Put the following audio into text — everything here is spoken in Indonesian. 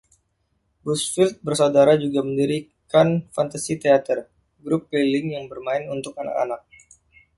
Busfield bersaudara juga mendirikan Fantasy Theatre, grup keliling yang bermain untuk anak-anak.